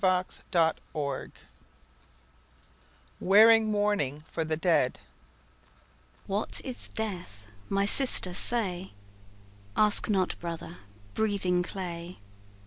CHAPTER VIII Wearing Mourning for the Dead "What is death? my sister, say." "Ask not, brother, breathing clay.